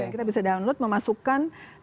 kita bisa download memasukkan